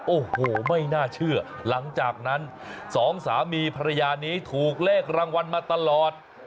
โอ้โหไม่น่าเชื่อหลังจากนั้นสองสามีภรรยานี้ถูกเลขรางวัลมาตลอด